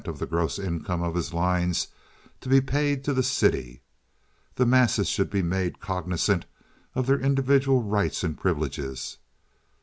of the gross income of his lines to be paid to the city. The masses should be made cognizant of their individual rights and privileges.